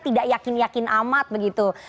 tidak yakin yakin amat begitu